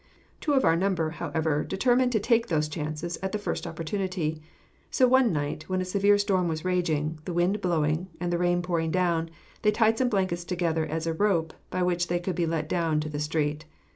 Two of our number, however, determined to take those chances at the first opportunity. So one night, when a severe storm was raging, the wind blowing, and the rain pouring down, they tied some blankets together as a rope by which they could be let down to the street.